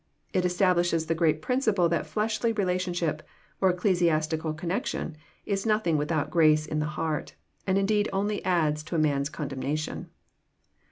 It establishes the great principle that fleshly relation ship, or ecclesiastical connection, is nothing without grace in the heart, and indeed only adds to a man's condemnation.